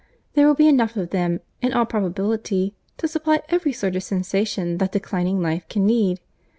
There will be enough of them, in all probability, to supply every sort of sensation that declining life can need.